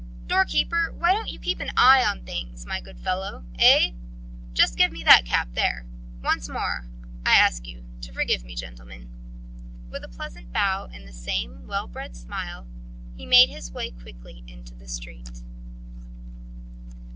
Doorkeeper! Why don't you keep an eye on things, my good fellow, eh? Just give me that cap, there. Once more, I ask you to forgive me, gentlemen." With a pleasant bow and the same well bred smile he made his way quickly into the street.